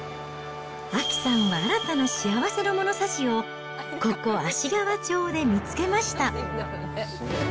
亜紀さんは新たな幸せの物差しを、ここ芦川町で見つけました。